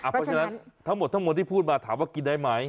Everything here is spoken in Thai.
เพราะฉะนั้นทั้งหมดทั้งหมดที่พูดมาถามว่ากินได้ไหม